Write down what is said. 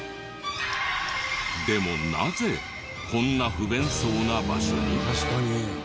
でもなぜこんな不便そうな場所に？